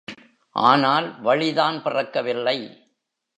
ஆனால் வழிதான் பிறக்கவில்லை.